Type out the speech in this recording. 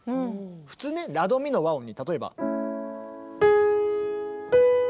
普通ねラドミの和音に例えば。